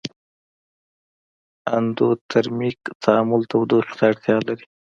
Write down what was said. اندوترمیک تعامل تودوخې ته اړتیا لري.